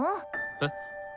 えっ？